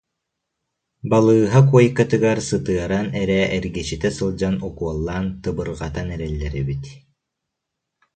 балыыһа куойкатыгар сытыа- ран эрэ эргичитэ сылдьан укуоллаан тыбырҕатан эрэллэр эбит